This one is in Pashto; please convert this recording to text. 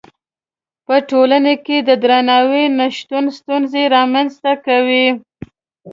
په ټولنه کې د درناوي نه شتون ستونزې رامنځته کوي.